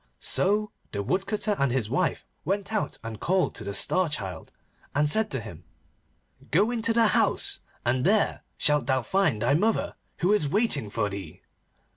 So the Woodcutter and his wife went out and called to the Star Child, and said to him, 'Go into the house, and there shalt thou find thy mother, who is waiting for thee.